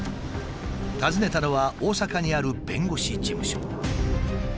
訪ねたのは大阪にある弁護士事務所。